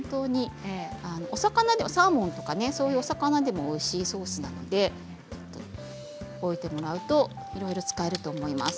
お魚だとサーモンとかそういうお魚でもおいしいソースなので覚えてもらうといろいろ使えると思います。